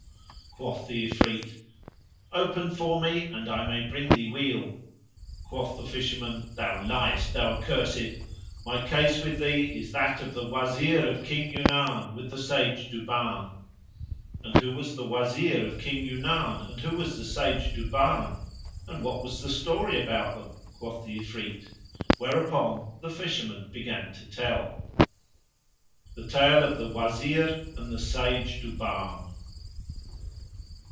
Quoth the Ifrit, "Open for me and I may bring thee weal." Quoth the Fisherman, "Thou liest, thou accursed! my case with thee is that of the Wazir of King Yunan with the sage Duban."[FN#77] "And who was the Wazir of King Yunan and who was the sage Duban; and what was the story about them?" quoth the Ifrit, whereupon the Fisherman began to tell The Tale of the Wazir and the Sage Duban.